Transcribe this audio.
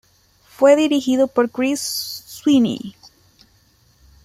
Fue dirigido por Chris Sweeney.